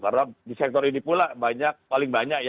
karena di sektor ini pula paling banyak ya